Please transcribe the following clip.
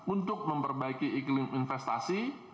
untuk memperbaiki iklim investasi